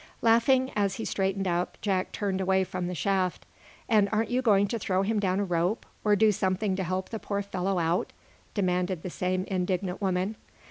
Laughing, as he straightened up, Jack turned away from the shaft "And aren't you going to throw him down a rope, or do something to help the poor fellow out?" demanded the same indignant woman.